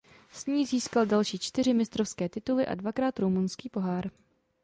S ní získal další čtyři mistrovské tituly a dvakrát rumunský pohár.